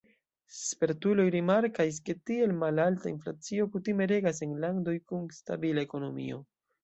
Spertuloj rimarkas, ke tiel malalta inflacio kutime regas en landoj kun stabila ekonomio.